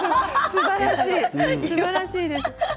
すばらしいです